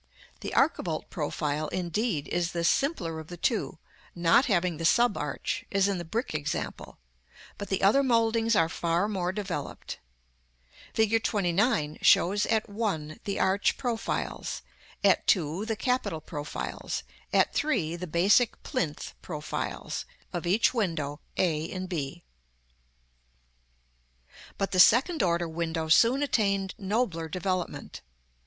The archivolt profile, indeed, is the simpler of the two, not having the sub arch; as in the brick example; but the other mouldings are far more developed. Fig. XXIX. shows at 1 the arch profiles, at 2 the capital profiles, at 3 the basic plinth profiles, of each window, a and b. [Illustration: Fig. XXIX.] § XXX. But the second order window soon attained nobler developement.